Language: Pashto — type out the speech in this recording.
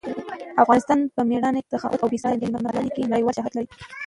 افغانان په مېړانه، سخاوت او بې ساري مېلمه پالنه کې نړیوال شهرت لري.